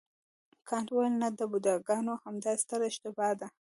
کانت وویل نه د بوډاګانو همدا ستره اشتباه ده.